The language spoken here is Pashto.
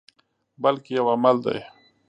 بلکې یو عمل دی.